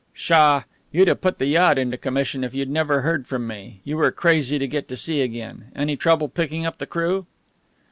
"Pshaw! You'd have put the yacht into commission if you'd never heard from me. You were crazy to get to sea again. Any trouble picking up the crew?"